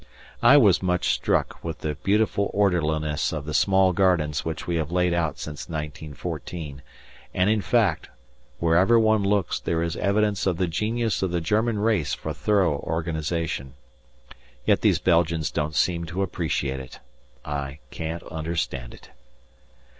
I was much struck with the beautiful orderliness of the small gardens which we have laid out since 1914, and, in fact, wherever one looks there is evidence of the genius of the German race for thorough organization. Yet these Belgians don't seem to appreciate it. I can't understand it.